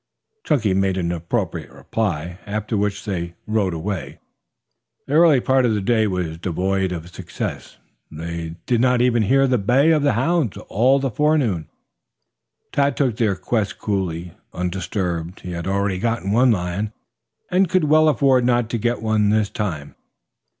Chunky made appropriate reply, after which they rode away. The early part of the day was devoid of success. They did not even hear the bay of a hound all the forenoon. Tad took their quest coolly, undisturbed. He had already gotten one lion and could well afford not to get one this time.